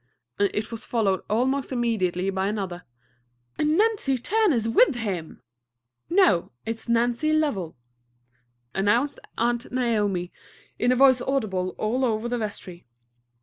It was followed almost immediately by another: "And Nancy Turner's with him!" "No; it's Nancy Lovell," announced Aunt Naomi, in a voice audible all over the vestry.